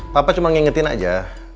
bapak cuma ngingetin aja